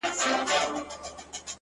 • ځان د بل لپاره سوځول زده کړو,